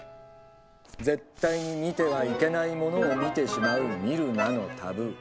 絶対に見てはいけないものを見てしまう「見るな」のタブー。